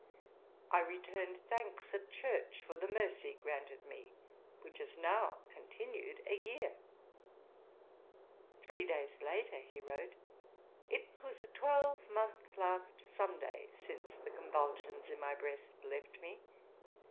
I returned thanks at church for the mercy granted me, which has now continued a year.' Pr. and Med. p. 183. Three days later he wrote: 'It was a twelvemonth last Sunday since the convulsions in my breast left me.